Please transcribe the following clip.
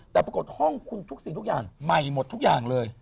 แต่ปรากฏห้องคุณทุกสิ่งทุกอย่างใหม่หมดทุกอย่างเลย